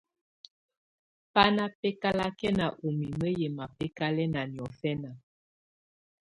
Bá ná bɛ́kálakɛná ú mimǝ́ yɛ́ mabɛkalɛna niɔ́fɛna.